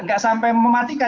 enggak sampai mematikan